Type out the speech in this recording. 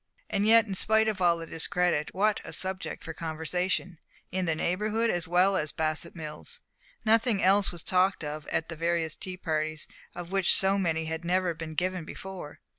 And yet, in spite of all discredit, what a subject for conversation in the Neighborhood as well as Bassett Mills! Nothing else was talked of at the various tea parties, of which so many had never been given before.